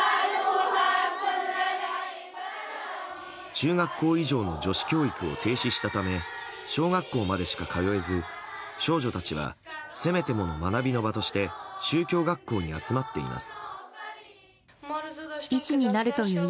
中学校以上の女子教育を停止したため小学校までしか通えず少女たちはせめてもの学びの場として宗教学校に集まっています。